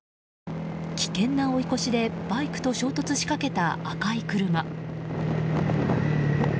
危険な追い越しでバイクと衝突しかけた、赤い車。